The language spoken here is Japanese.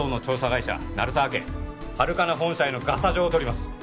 会社鳴沢家ハルカナ本社へのガサ状を取ります